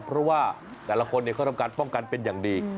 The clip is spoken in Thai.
เพราะว่าแต่ละคนเขาทำการป้องกันเป็นอย่างดี